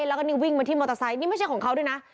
แล้วก็นี่วิ่งมาที่มอเตอร์ไซค์นี่ไม่ใช่ของเขาด้วยนะ